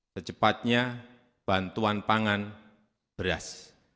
secepatnya bantuan pangan beras